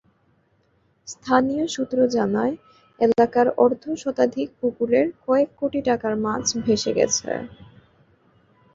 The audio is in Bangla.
স্থানীয় সূত্র জানায়, এলাকার অর্ধশতাধিক পুকুরের কয়েক কোটি টাকার মাছ ভেসে গেছে।